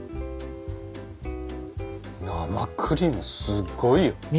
生クリームすごいよ。ね！